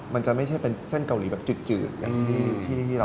มันจะไม่ใช่เป็นเส้นเกาหลีแบบจืดอย่างที่